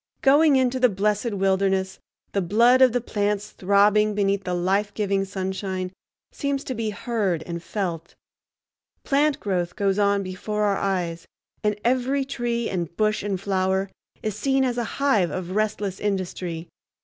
Going into the blessed wilderness, the blood of the plants throbbing beneath the life giving sunshine seems to be heard and felt; plant growth goes on before our eyes, and every tree and bush and flower is seen as a hive of restless industry.